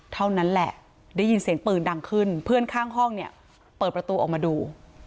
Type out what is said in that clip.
เท่านั้นแหละได้ยินเสียงปืนดังขึ้นเพื่อนข้างห้องเนี่ยเปิดประตูออกมาดู